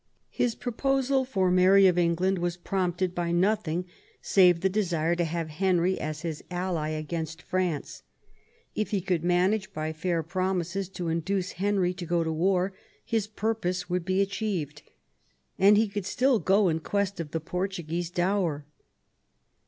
His proposal for Mary of England was prompted by nothing save the desire to have Henry as his ally against France ; if he could manage by fair promises to induce Henry to go to war his purpose would be achieved, and he could still go in quest of the Portuguese dower.